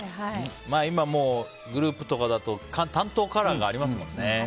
今、グループとかだと担当カラーがありますもんね。